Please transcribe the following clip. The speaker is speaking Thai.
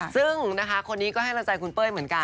ซึ่งนะคะคนนี้ก็ให้กำลังใจคุณเป้ยเหมือนกัน